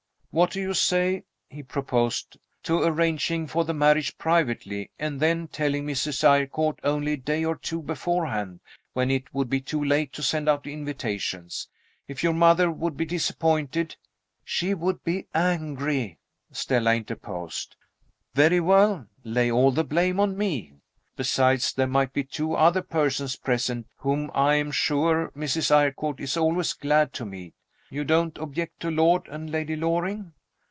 "What do you say," he proposed, "to arranging for the marriage privately and then telling Mrs. Eyrecourt only a day or two beforehand, when it would be too late to send out invitations? If your mother would be disappointed " "She would be angry," Stella interposed. "Very well lay all the blame on me. Besides, there might be two other persons present, whom I am sure Mrs. Eyrecourt is always glad to meet. You don't object to Lord and Lady Loring?"